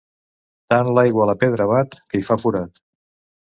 Tant l'aigua a la pedra bat que hi fa forat.